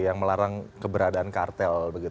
yang melarang keberadaan kartel